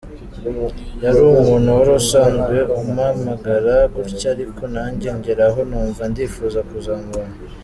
Yari umuntu wari usanzwe umpamagara gutya ariko nanjye ngeraho numva ndifuza kuzamubona.